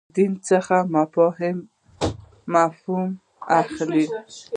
دین څخه مفهوم اخلئ.